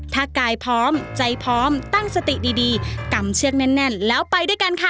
ถ้ากายพร้อมใจพร้อมตั้งสติดีกำเชือกแน่นแล้วไปด้วยกันค่ะ